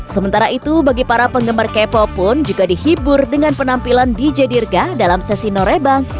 sementara itu bagi para penggemar k pop pun juga dihibur dengan penampilan dj dirga dalam sesi norebang